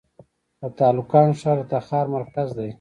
د تالقان ښار د تخار مرکز دی